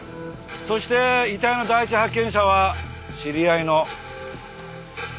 そして遺体の第一発見者は知り合いの桐山だ。